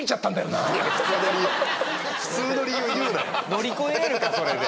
乗り越えれるかそれで。